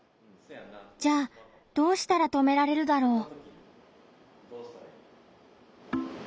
じゃあどうしたら止められるだろう？